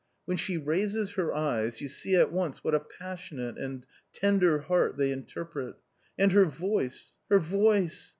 " When she raises her eyes, you see at once what a pas sionate and tender heart they interpret. And her voice, her voice